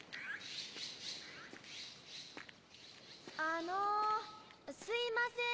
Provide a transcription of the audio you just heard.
あのすいません！